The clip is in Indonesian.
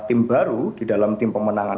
tim baru di dalam tim pemenangan